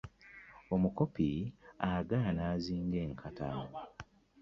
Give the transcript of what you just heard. Omukopi agaana azinga enkata .